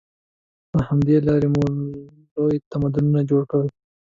له همدې لارې مو لوی تمدنونه جوړ کړل.